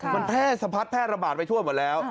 มันแพร่สะพัดแพร่ระบาดไปทั่วหมดแล้ว